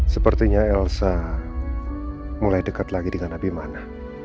sepertinya elsa mulai dekat lagi dengan abimana